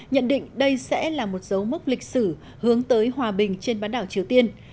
nhận định đây sẽ là một dấu mốc lịch sử hướng tới hòa bình trên bán đảo triều tiên